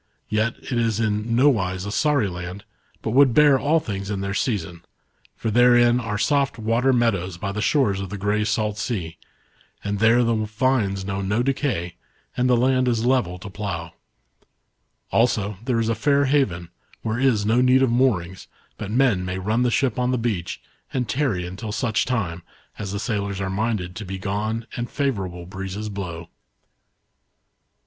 Yet it is in nowise a sorry land, but would bear all .things in their season ; for therein, ON THE GREAT SEA. 67 are soft water meadows by the shores of the grey salt sea, and there the vines know no decay, and the land is level to plough. Also there is a fair haven, where is no need of moorings, but men may run the ship on the beach, and tarry until such time, as the sailors are minded to be gone and favourable breezes blow."